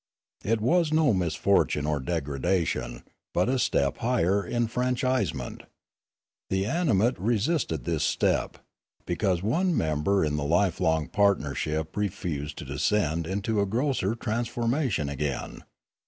It was no misfortune or degradation, but a step higher in enfranchisement. The animate resisted this step, because one member in the lifelong partnership refused to descend into a grosser transformation again.